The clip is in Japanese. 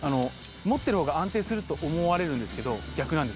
持ってるほうが安定すると思われるんですけど逆なんです。